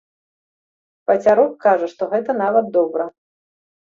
Пацяроб кажа, што гэта нават добра.